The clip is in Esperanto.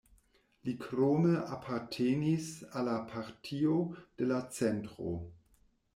Li krome apartenis al la Partio de la Centro.